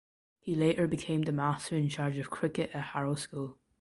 He later became the master in charge of cricket at Harrow School.